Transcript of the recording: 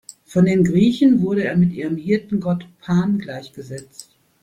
Von den Griechen wurde er mit ihrem Hirtengott Pan gleichgesetzt.